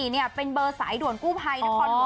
๑๖๒๔เนี่ยเป็นเบอร์สายด่วนกู้ภัย